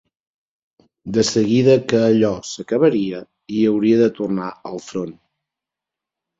De seguida que allò s'acabaria i hauria de tornar al front.